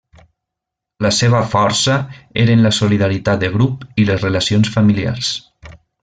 La seva força eren la solidaritat de grup i les relacions familiars.